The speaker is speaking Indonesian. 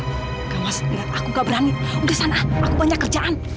enggak mas lihat aku gak berani udah sana aku banyak kerjaan